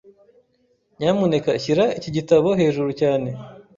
Nyamuneka shyira iki gitabo hejuru cyane.